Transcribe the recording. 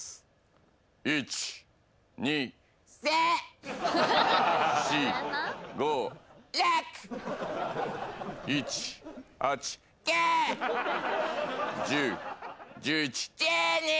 １２３！４５６！７８９！１０１１１２！